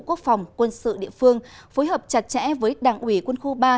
quốc phòng quân sự địa phương phối hợp chặt chẽ với đảng ủy quân khu ba